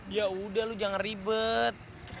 ya udah lu jangan ribet